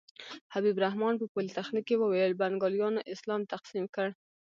حبیب الرحمن په پولتخنیک کې وویل بنګالیانو اسلام تقسیم کړ.